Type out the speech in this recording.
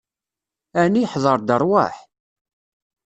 Ɛni iḥder-d rrwaḥ?